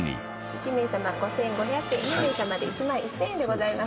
１名様５５００円２名様で１万１０００円でございます。